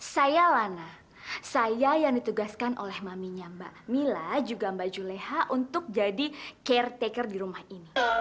saya lana saya yang ditugaskan oleh maminya mbak mila juga mbak juleha untuk jadi care taker di rumah ini